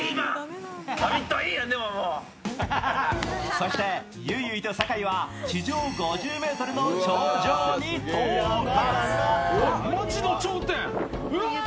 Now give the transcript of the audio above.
そしてゆいゆいと酒井は、地上５０ｍの頂上に到達。